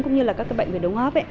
cũng như là các bệnh về đống hóp